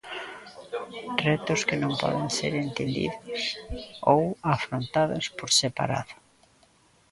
Retos que non poden ser entendidos ou afrontados por separado.